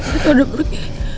mereka udah pergi